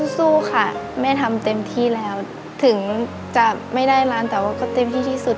สู้ค่ะแม่ทำเต็มที่แล้วถึงจะไม่ได้ร้านแต่ว่าก็เต็มที่ที่สุด